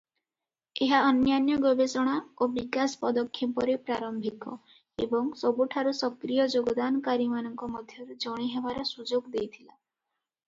ଏହା ଅନ୍ୟାନ୍ୟ ଗବେଷଣା ଏବଂ ବିକାଶ ପଦକ୍ଷେପରେ ପ୍ରାରମ୍ଭିକ ଏବଂ ସବୁଠାରୁ ସକ୍ରିୟ ଯୋଗଦାନକାରୀମାନଙ୍କ ମଧ୍ୟରୁ ଜଣେ ହେବାର ସୁଯୋଗ ଦେଇଥିଲା ।